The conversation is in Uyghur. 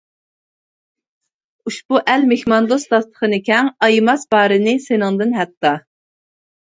ئۇشبۇ ئەل مېھماندوست داستىخىنى كەڭ، ئايىماس بارىنى سېنىڭدىن ھەتتا.